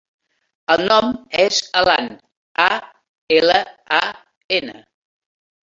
El nom és Alan: a, ela, a, ena.